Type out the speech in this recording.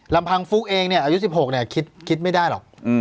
ลำพังฟุ๊กเองเนี่ยอายุ๑๖คิดไม่ได้หรอก